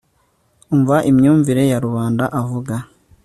Umva imyumvire ya rubanda avuga